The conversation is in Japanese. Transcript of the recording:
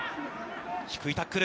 低いタックル。